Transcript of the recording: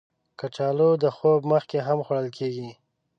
کچالو د خوب مخکې هم خوړل کېږي